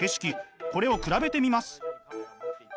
これを比べてみます。